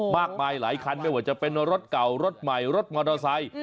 มากมายหลายคันไม่ว่าจะเป็นรถเก่ารถใหม่รถมอเตอร์ไซค์